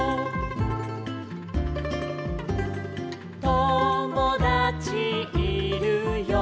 「ともだちいるよ」